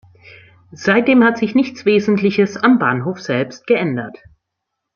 Seitdem hat sich nichts Wesentliches am Bahnhof selbst geändert.